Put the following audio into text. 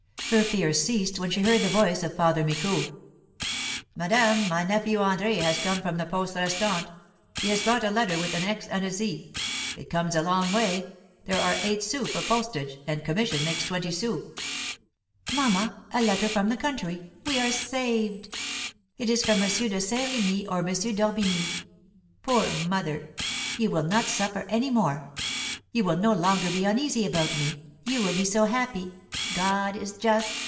Her fears ceased when she heard the voice of Father Micou: "Madame, my nephew, André, has come from the Poste Restante. He has brought a letter with an 'X' and a 'Z.' It comes a long way; there are eight sous for postage, and commission makes twenty sous." "Mamma, a letter from the country, we are saved! It is from M. de Saint Remy or M. d'Orbigny. Poor mother! You will not suffer any more; you will no longer be uneasy about me, you will be so happy! God is just!